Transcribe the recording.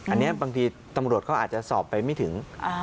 อันนี้บางทีตำรวจเขาอาจจะสอบไปไม่ถึง